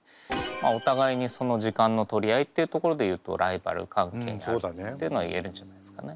お互いにその時間の取り合いっていうところでいうとライバル関係にあるっていうのは言えるんじゃないですかね。